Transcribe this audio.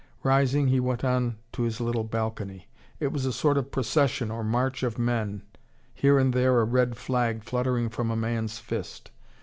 Rising, he went on to his little balcony. It was a sort of procession, or march of men, here and there a red flag fluttering from a man's fist.